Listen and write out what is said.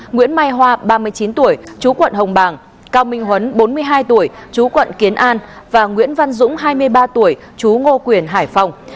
nguyễn mai hoa ba mươi chín tuổi chú quận hồng bàng cao minh huấn bốn mươi hai tuổi chú quận kiến an và nguyễn văn dũng hai mươi ba tuổi chú ngô quyền hải phòng